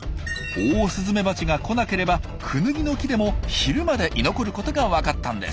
オオスズメバチが来なければクヌギの木でも昼まで居残ることがわかったんです。